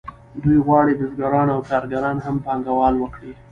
دوی غواړي بزګران او کارګران هم پانګوالي وکړي